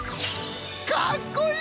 かっこいい！